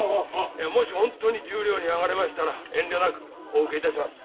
もしホントに十両に上がれましたら遠慮なくお受けいたします。